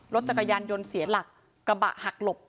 รถจักรยานยนต์เสียหลักกระบะหักหลบ